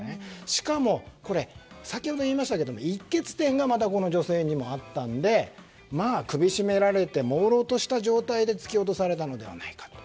しかも先ほど言いましたけど溢血点がこの女性にもあったので首を絞められてもうろうとした状態で突き落とされたのではないかと。